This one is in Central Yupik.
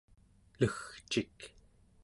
legcik